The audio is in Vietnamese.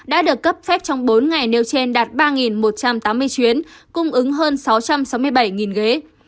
đã được cấp phép trong bốn ngày nêu trên đạt ba một trăm tám mươi chuyến cung ứng hơn sáu trăm sáu mươi bảy ghế